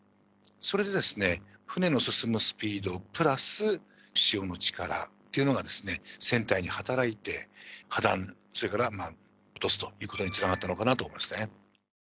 それで、船の進むスピードプラス潮の力っていうのが、船体に働いて破断、それから落とすということにつながったのかなと思いますね。